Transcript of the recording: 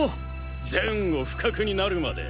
前後不覚になるまで。